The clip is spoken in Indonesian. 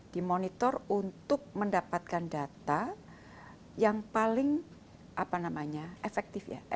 dimonitor untuk mendapatkan data yang paling efektif ya